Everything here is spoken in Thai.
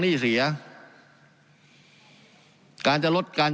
การปรับปรุงทางพื้นฐานสนามบิน